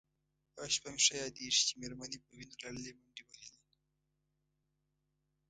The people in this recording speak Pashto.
یوه شپه مې ښه یادېږي چې مېرمن یې په وینو لړلې منډې وهلې.